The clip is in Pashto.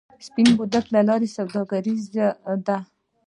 سپین بولدک لاره سوداګریزه ده؟